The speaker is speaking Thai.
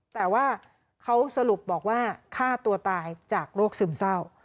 แต่ว่าเขาสรุปบอกว่าฆ่าตัวตายจากโรคซึมเศร้า